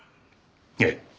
ええ。